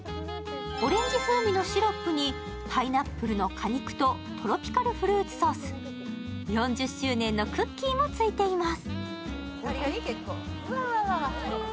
オレンジ風味のシロップにパイナップルの果肉とトロピカルフルーツソース、４０周年のクッキーもついています。